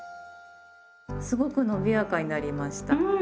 すごくのびやかになりました。